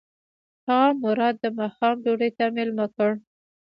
هغه مراد د ماښام ډوډۍ ته مېلمه کړ.